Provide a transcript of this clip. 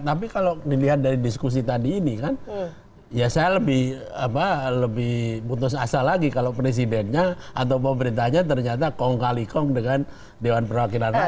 tapi kalau dilihat dari diskusi tadi ini kan ya saya lebih putus asa lagi kalau presidennya atau pemerintahnya ternyata kong kali kong dengan dewan perwakilan rakyat